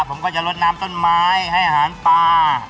ผมก็จะลดน้ำต้นไม้ให้อาหารปลา